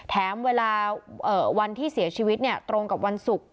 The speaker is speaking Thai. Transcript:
แถมเวลาวันที่เสียชีวิตตรงกับวันศุกร์